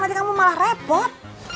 nanti kamu malah repot